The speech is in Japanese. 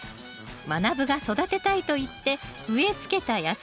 まなぶが育てたいと言って植えつけた野菜とは？